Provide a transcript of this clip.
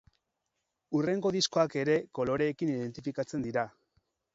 Hurrengo diskoak ere koloreekin identifikatzen dira.